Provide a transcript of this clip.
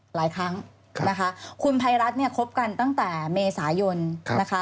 หลายครั้งนะคะคุณภัยรัฐเนี่ยคบกันตั้งแต่เมษายนนะคะ